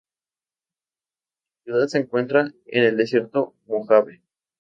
La ciudad se encuentra en el Desierto de Mojave.